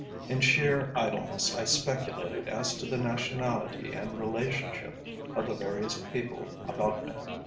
In sheer idleness I speculated as to the nationality and relationship of the various people about me.